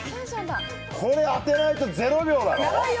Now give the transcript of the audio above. これ、当てないと０秒だろ？